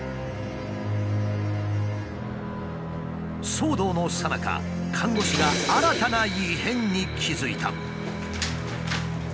騒動のさなか看護師が新たな異変に気付いた。